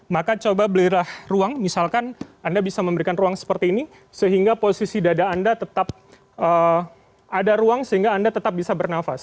maka coba belilah ruang misalkan anda bisa memberikan ruang seperti ini sehingga posisi dada anda tetap ada ruang sehingga anda tetap bisa bernafas